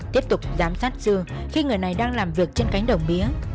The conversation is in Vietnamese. tiếp tục giám sát sư khi người này đang làm việc trên cánh đầu mía